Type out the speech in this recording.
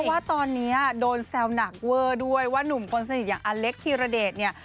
เพราะว่าตอนนี้โดนแซวหนักเวอร์ด้วยว่าหนุ่มคนสนิทอย่างอเล็กธีรเดชเนี่ย